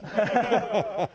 ハハハハ！